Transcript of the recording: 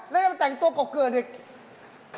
แล้วอย่างนั้นแต่งตัวกบเกิดเถอะ